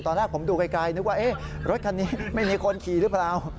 ตอนแรกผมดูไกลนึกว่ารถคันนี้ไม่มีคนขี่หรือเปล่า